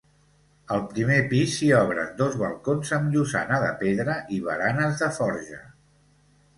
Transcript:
Al primer pis s'hi obren dos balcons amb llosana de pedra i baranes de forja.